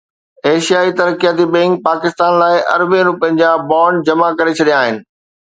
ايشيائي ترقياتي بئنڪ پاڪستان لاءِ اربين رپين جا بانڊ جمع ڪري ڇڏيا آهن